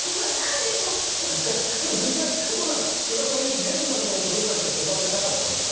でも実際、お父さん、やっぱりそういう自然の中で子どもたちを育てたかったんですか？